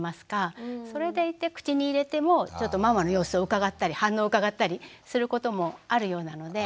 それでいて口に入れてもちょっとママの様子をうかがったり反応をうかがったりすることもあるようなので。